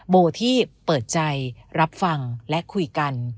โบที่เปิดใจรับฟังและคุยกัน